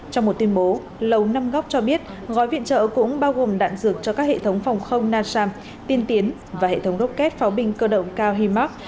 trong một tuyên bố lầu năm góc cho biết gói viện trợ cũng bao gồm đạn dược cho các hệ thống phòng không nasam tiên tiến và hệ thống rocket pháo binh cơ động cao himax